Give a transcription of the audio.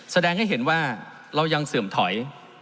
แสดงให้เห็นว่าเรายังเสื่อมถอย